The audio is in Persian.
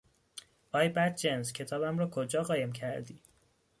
آی بدجنس! کتابم را کجا قایم کردی؟